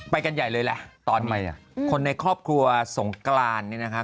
ไปกันใหญ่เลยแหละตอนนี้คนในครอบครัวสงกรานเนี่ยนะคะ